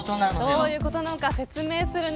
どういうことか説明するね。